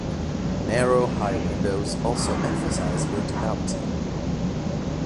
Narrow high windows also emphasize verticality.